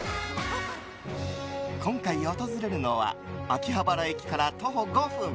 今回訪れるのは秋葉原駅から徒歩５分。